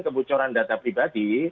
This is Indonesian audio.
kebocoran data pribadi